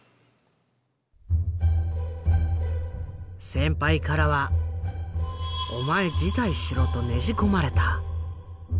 先輩からは「お前辞退しろ」とねじ込まれた。